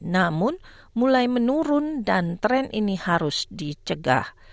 namun mulai menurun dan tren ini harus dicegah